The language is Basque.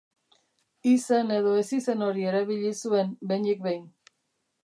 Izen edo ezizen hori erabili zuen, behinik behin.